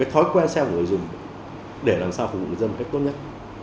họ quen xem người dùng để làm sao phục vụ người dân cách tốt nhất